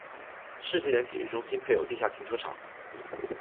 世纪莲体育中心配有地下停车场。